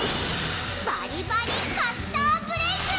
バリバリカッターブレイズ！